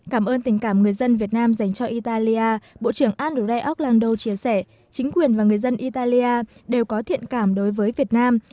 cảm ơn tình cảm người dân việt nam dành cho italia bộ trưởng andrei auck london chia sẻ chính quyền và người dân italia đều có thiện cảm đối với việt nam